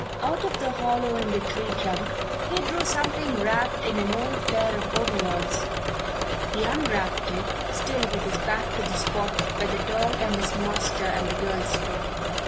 Out of the hollow in the tree trunk he drew something wrapped in an old pair of overalls. He unwrapped it, still with his back to the spot where the dog and his master and the girls stood.